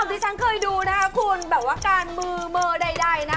ที่ฉันเคยดูนะคะคุณแบบว่าการมือมือใดนะ